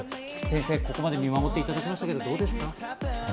菊地先生、ここまで見守っていただきましたけど、どうですか？